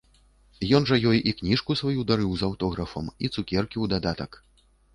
Ён жа ёй і кніжку сваю дарыў з аўтографам, і цукеркі ў дадатак.